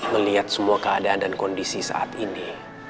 melihat semua keadaan dan kondisi saat ini